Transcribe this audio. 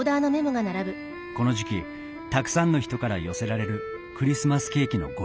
この時期たくさんの人から寄せられるクリスマスケーキのご依頼。